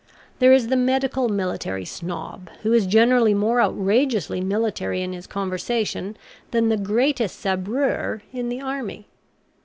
There is the Medical Military Snob, who is generally more outrageously military in his conversation than the greatest SABREUR in the army.